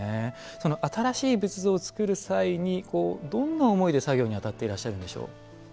その新しい仏像を造る際にどんな思いで作業に当たっていらっしゃるんでしょう。